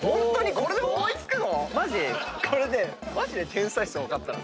これねマジで天才ですよ分かったら。